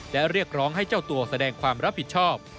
และเรียกร้องให้เจ้าตัวแสดงความรับผิดชอบ